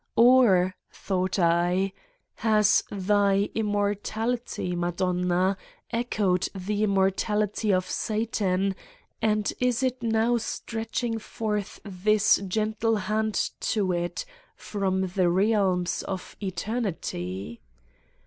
"Or 9 " thought I, "has Thy immortality, Ma donna, echoed the immortality of Satan and is it now stretching forth this gentle hand to it from the realms of Eternity?